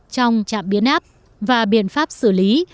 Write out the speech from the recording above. trong chạm biến áp và biện pháp xử lý